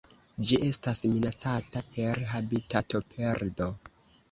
Ĝi estas minacata per habitatoperdo.